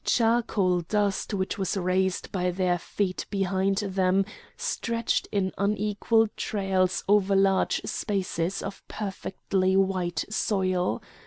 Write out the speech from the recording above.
Charcoal dust which was raised by their feet behind them, stretched in unequal trails over large spaces of perfectly white soil.